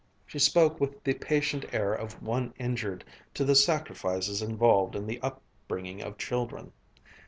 She spoke with the patient air of one inured to the sacrifices involved in the upbringing of children.